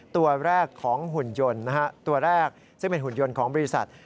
ตัวแรกของหุ่นยนต์ตัวแรกซึ่งเป็นหุ่นยนต์ของบริษัท